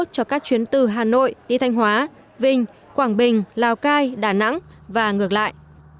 cho các chuyến từ hà nội đi thanh hóa vinh quảng bình lào cai đà nẵng và ngược lại